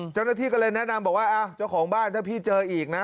เจ้าหน้าที่ก็เลยแนะนำบอกว่าเจ้าของบ้านถ้าพี่เจออีกนะ